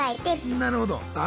なるほど。